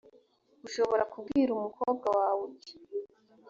ushobora kubwira umukobwa wawe uti